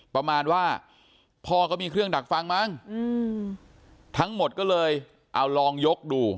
ประมาณว่าพ่อก็มีเครื่องดักฟังมั้งทั้งหมดก็เลยเอาลองยกดู